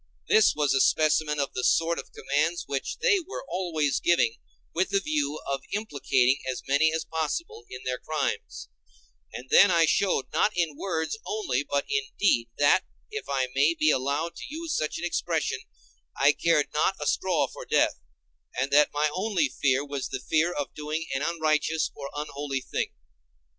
This was a specimen of the sort of commands which they were always giving with the view of implicating as many as possible in their crimes; and then I showed, not in words only, but in deed, that, if I may be allowed to use such an expression, I cared not a straw for death, and that my only fear was the fear of doing an unrighteous or unholy thing.